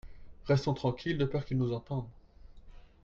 Restons tranquille de peur qu'il nous entende.